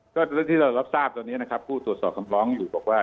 ก็ที่เรารับทราบตอนนี้นะครับผู้ตรวจสอบคำร้องอยู่บอกว่า